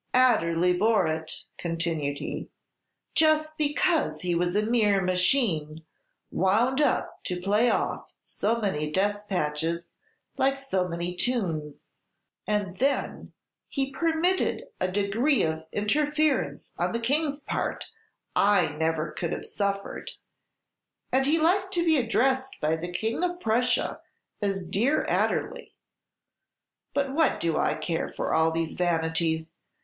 "Adderley bore it," continued he, "just because he was a mere machine, wound up to play off so many despatches, like so many tunes; and then, he permitted a degree of interference on the King's part I never could have suffered; and he liked to be addressed by the King of Prussia as 'Dear Adderley.' But what do I care for all these vanities?